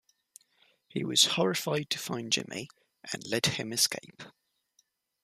He was horrified to find Jimmy and let him escape.